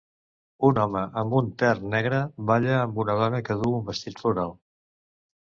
Un home amb un tern negre balla amb una dona que du un vestit floral.